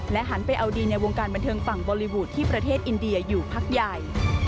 หันไปเอาดีในวงการบันเทิงฝั่งบอลลีวูดที่ประเทศอินเดียอยู่พักใหญ่